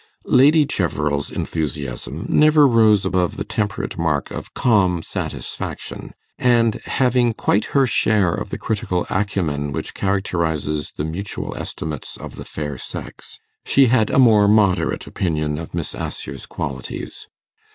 Lady Cheverel's enthusiasm never rose above the temperate mark of calm satisfaction, and, having quite her share of the critical acumen which characterizes the mutual estimates of the fair sex, she had a more moderate opinion of Miss Assher's qualities.